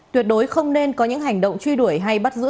tuyệt đối không nên có những hành động truy đuổi hay bắt giữ